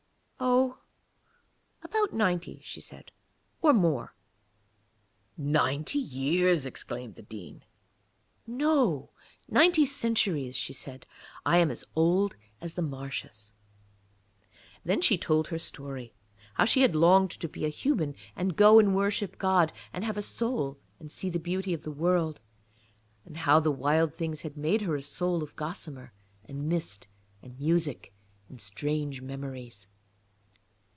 'Oh, about ninety,' she said, 'or more.' 'Ninety years!' exclaimed the Dean. 'No, ninety centuries,' she said; 'I am as old as the marshes.' Then she told her story how she had longed to be a human and go and worship God, and have a soul and see the beauty of the world, and how all the Wild Things had made her a soul of gossamer and mist and music and strange memories.